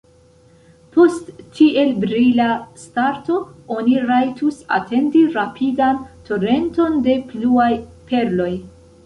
Post tiel brila starto oni rajtus atendi rapidan torenton de pluaj perloj.